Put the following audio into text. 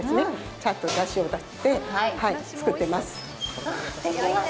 ちゃんとだしを出して作ってます。